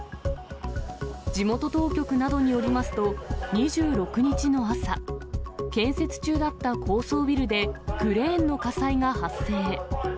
地元当局などによりますと、２６日の朝、建設中だった高層ビルでクレーンの火災が発生。